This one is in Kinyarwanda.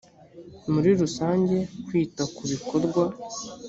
muri rusange kwita ku bikorwa